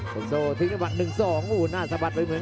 อร์โนโซมด้วยมัดเป็น๑๒